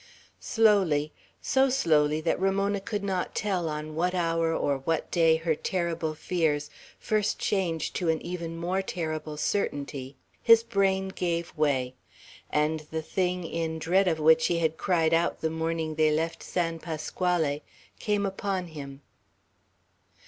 Slowly, so slowly that Ramona could not tell on what hour or what day her terrible fears first changed to an even more terrible certainty, his brain gave way, and the thing, in dread of which he had cried out the morning they left San Pasquale, came upon him.